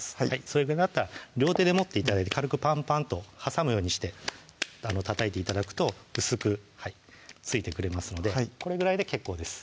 それで両手で持って頂いて軽くパンパンと挟むようにしてたたいて頂くと薄く付いてくれますのでこれぐらいで結構です